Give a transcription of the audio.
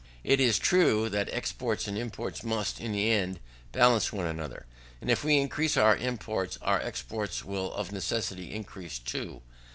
It is true that exports and imports must, in the end, balance one another, and if we increase our imports, our exports will of necessity increase too.